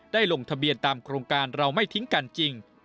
ลงทะเบียนตามโครงการเราไม่ทิ้งกันจริง